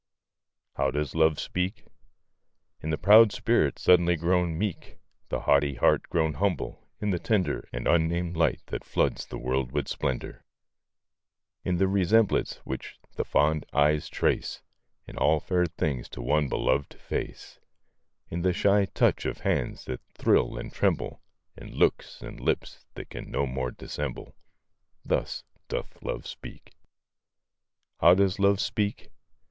How does Love speak? In the proud spirit suddenly grown meek The haughty heart grown humble; in the tender And unnamed light that floods the world with splendor; In the resemblance which the fond eyes trace In all fair things to one beloved face; In the shy touch of hands that thrill and tremble; In looks and lips that can no more dissemble Thus doth Love speak. How does Love speak?